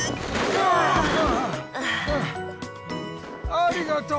ありがとう！